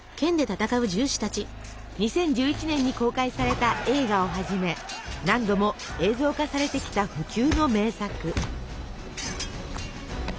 ２０１１年に公開された映画をはじめ何度も映像化されてきた不朽の名作。